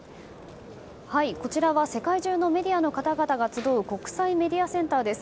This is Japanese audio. こちらは世界中のメディアの方々が集う国際メディアセンターです。